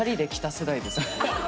世代です。